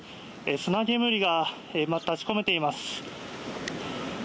砂煙が立ち込めています。